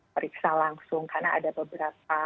periksa langsung karena ada beberapa